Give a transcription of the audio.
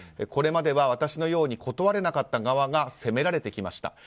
これまでは私のように断られなかった側が責められてきました。